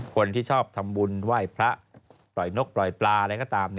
คนที่ชอบทำบุญไหว้พระปล่อยนกปล่อยปลาอะไรก็ตาม